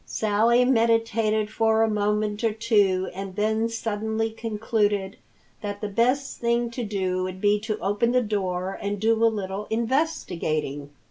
Sally meditated for a moment or two and then suddenly concluded that the best thing to do would be to open the door and do a little investigating.